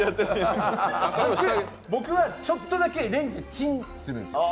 僕は、ちょっとだけレンジでチンするんですよ。